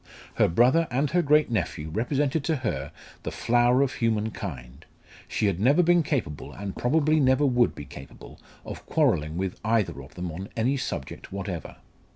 Her brother and her great nephew represented to her the flower of human kind; she had never been capable, and probably never would be capable, of quarrelling with either of them on any subject whatever.